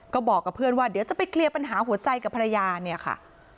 ก็บอกกับเพื่อนว่าเดี๋ยวจะไปเคลียร์ปัญหาหัวใจกับภรรยาเนี่ยค่ะ